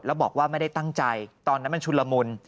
แล้วบอกว่าไม่ได้ตั้งใจตอนนั้นมันชุนละมุน